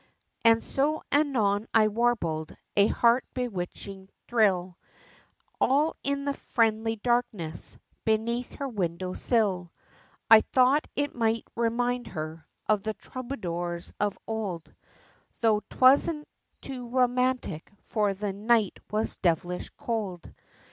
And so anon I warbled a heart bewitching thrill, All in the friendly darkness, beneath her window sill, I thought it might remind her, of the troubadours of old, Tho' 'twasn't too romantic, for the night was dev'lish cold!